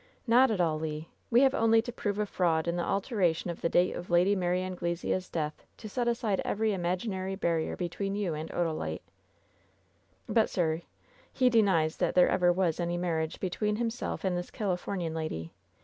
"Not at all, Le ! We have only to prove a fraud in the alteration of the date of Lady Mary Anglesea's death to set aside every imaginary barrier between you and Odalite." ^ "But, sir, he denies that there ever was any marriage between himself and this Califomian lady.